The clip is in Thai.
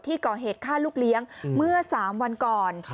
ก่อเหตุฆ่าลูกเลี้ยงเมื่อ๓วันก่อน